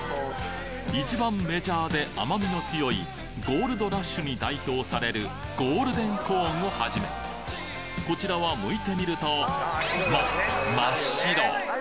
一番メジャーで甘みの強い「ゴールドラッシュ」に代表されるゴールデンコーンをはじめこちらはむいてみるとま真っ白！